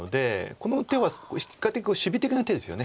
この手は比較的守備的な手ですよね。